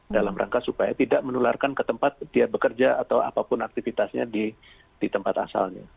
dalam rangka supaya tidak menularkan ke tempat dia bekerja atau apapun aktivitasnya di tempat asalnya